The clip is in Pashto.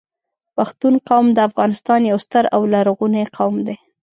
پښتون قوم د افغانستان یو ستر او لرغونی قوم دی